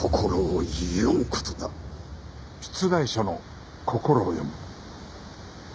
出題者の心を読む。